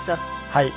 はい。